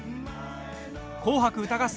「紅白歌合戦」